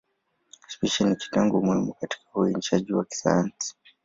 Spishi ni kitengo muhimu katika uainishaji wa kisayansi.